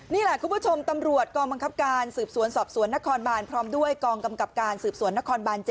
นี่แหละคุณผู้ชมตำรวจกองบังคับการสืบสวนสอบสวนนครบานพร้อมด้วยกองกำกับการสืบสวนนครบาน๗